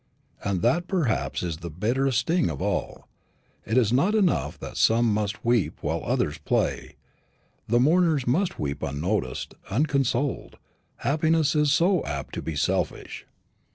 And that perhaps is the bitterest sting of all. It is not enough that some must weep while others play; the mourners must weep unnoticed, unconsoled; happiness is so apt to be selfish.